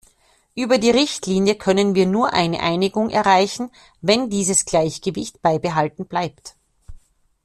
Über die Richtlinie können wir nur eine Einigung erreichen, wenn dieses Gleichgewicht beibehalten bleibt.